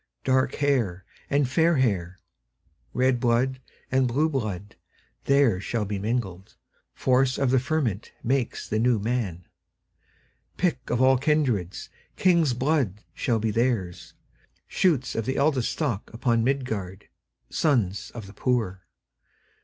Dark hair and fair hair, Red blood and blue blood, There shall be mingled; Force of the fermentMakes the New Man.Pick of all kindreds, King's blood shall theirs be, Shoots of the eldestStock upon Midgard, Sons of the poor.